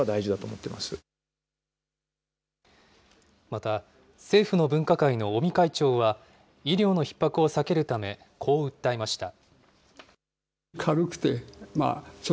また、政府の分科会の尾身会長は、医療のひっ迫を避けるため、こう訴えました。